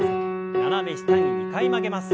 斜め下に２回曲げます。